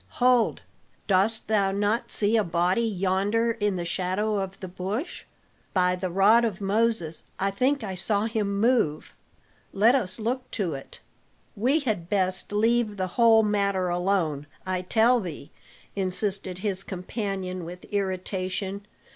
"Hold, dost thou not see a body yonder in the shadow of the bush? By the rod of Moses, I think I saw him move; let us look to it." "We had best leave the whole matter alone, I tell thee," insisted his companion with irritation.